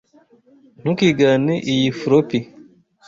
Ntukigane iyi floppy.